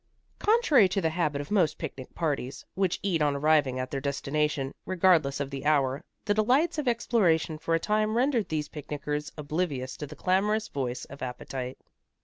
Contrary to the habit of most picnic parties, which eat on arriving at their destination, regardless of the hour, the delights of exploration for a time rendered these picnickers oblivious to the clamorous voice of appetite.